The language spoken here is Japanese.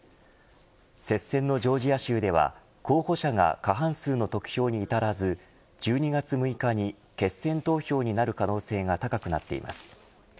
接戦のジョージア州では候補者が過半数の得票に至らず１２月６日に決選投票になる可能性が高くなっています。